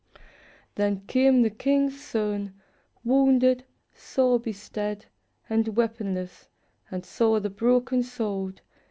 Then came the king's son, wounded, sore bestead. And weaponless, and saw the broken sword.